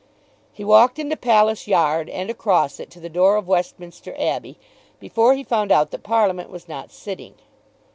He walked into Palace Yard and across it, to the door of Westminster Abbey, before he found out that Parliament was not sitting.